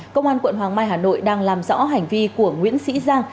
công an quận hoàng mai hà nội đang làm rõ hành vi của nguyễn sĩ giang